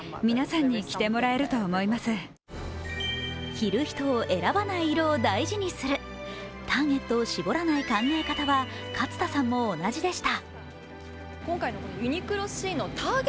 着る人を選ばない色を大事にする、ターゲットを絞らない考え方は勝田さんも同じでした。